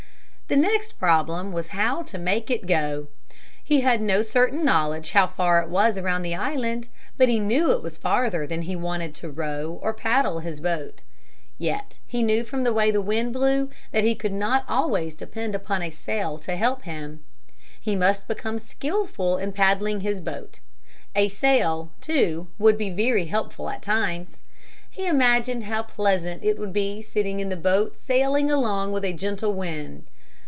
The next problem was how to make it go. He had no certain knowledge how far it was around the island, but he knew it was farther than he wanted to row or paddle his boat. Yet he knew from the way the wind blew that he could not always depend upon a sail to help him. He must become skillful in paddling his boat. A sail too would be very helpful at times. He imagined how pleasant it would be sitting in the boat sailing along with a gentle wind.